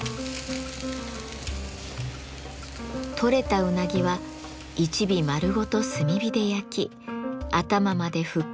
取れたうなぎは一尾丸ごと炭火で焼き頭までふっくらと。